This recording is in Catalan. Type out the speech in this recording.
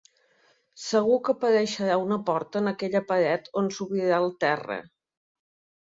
Segur que apareixerà una porta en aquella paret o s'obrirà el terra.